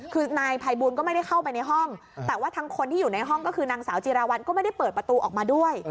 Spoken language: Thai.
คือนายภัยบูลก็ไม่ได้เข้าไปในห้องแต่ว่าทั้งคนที่อยู่ในห้องก็คือนางสาวจีราวัลก็ไม่ได้เปิดประตูออกมาด้วย